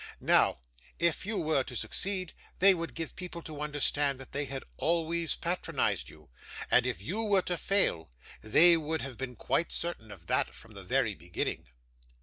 Now, if you were to succeed, they would give people to understand that they had always patronised you; and if you were to fail, they would have been quite certain of that from the very beginning.